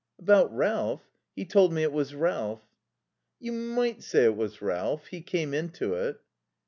"About Ralph? He told me it was Ralph." "You might say it was Ralph. He came into it."